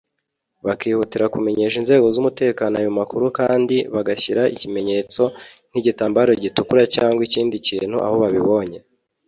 bakihutira kumenyesha inzego z’umutekano ayo makuru kandi bagashyira ibimenyetso nk’igitambaro gitukura cyangwa ikindi kintu aho babibonye